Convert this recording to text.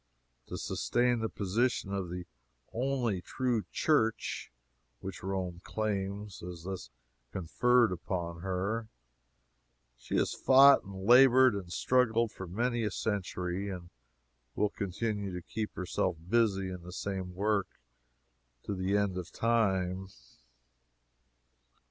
To sustain the position of "the only true Church," which Rome claims was thus conferred upon her, she has fought and labored and struggled for many a century, and will continue to keep herself busy in the same work to the end of time.